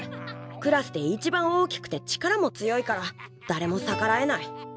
クラスで一番大きくて力も強いからだれも逆らえない。